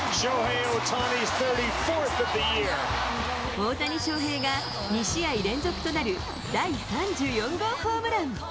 大谷翔平が２試合連続となる第３４号ホームラン。